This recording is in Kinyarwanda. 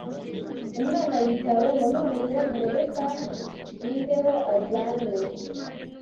umwana yitaweho. noneho nyirarume, reka bindeh ajyanwe